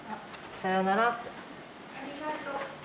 さよならって。